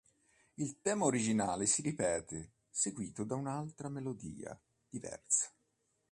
Il tema originale si ripete, seguito da un'altra melodia diversa.